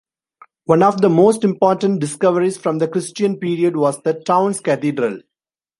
One of the most important discoveries from the Christian period was the town's cathedral.